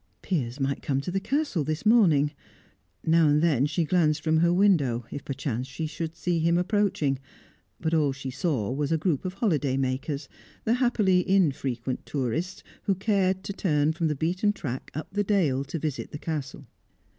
Piers might come to the Castle this morning. Now and then she glanced from her window, if perchance she should see him approaching; but all she saw was a group of holiday makers, the happily infrequent tourists who cared to turn from the beaten track up the dale to visit the Castle.